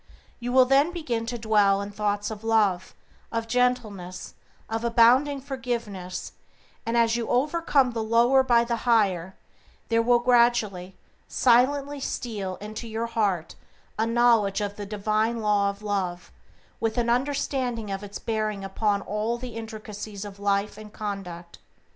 You will then begin to dwell in thoughts of love, of gentleness, of abounding forgiveness; and as you overcome the lower by the higher, there will gradually, silently steal into your heart a knowledge of the divine Law of Love with an understanding of its bearing upon all the intricacies of life and conduct.